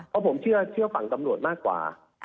เพราะผมเชื่อฝั่งตำรวจมากกว่า